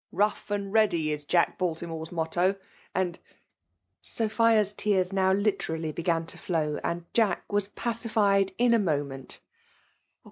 • Rough atrd tteadv !' is Jack Baltimore's motto : and *' mt^^tm Sophia's tears now literally began to flow ^ and Jack was pacified in a moment.